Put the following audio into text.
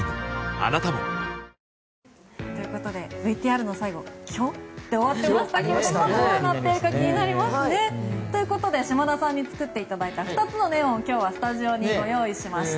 あなたもＶＴＲの最後「キョ」で終わっていましたがどうなっているか気になりますよね。ということで島田さんに作っていただいた２つのネオンを今日はスタジオに用意しました。